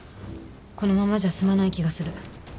このままじゃ済まない気がする。